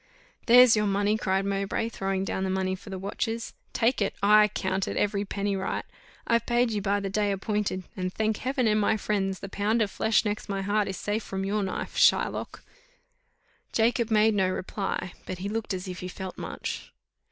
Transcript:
"There's your money," cried Mowbray, throwing down the money for the watches "take it ay, count it every penny right I've paid you by the day appointed; and, thank Heaven and my friends, the pound of flesh next my heart is safe from your knife, Shylock!" Jacob made no reply, but he looked as if he felt much.